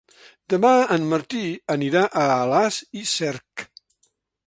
Demà en Martí anirà a Alàs i Cerc.